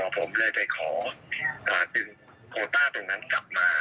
ผมเลยไปขอพาถึงโทรต้าตรงนั้นจับมา